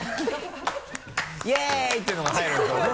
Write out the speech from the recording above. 「イエー！！」っていうのが入るんですよね？